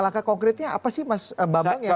nah laka laka konkretnya apa sih mas babang ya